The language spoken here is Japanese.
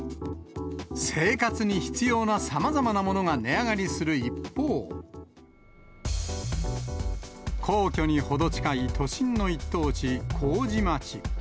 生活に必要なさまざまなものが値上がりする一方、皇居に程近い都心の一等地、麹町。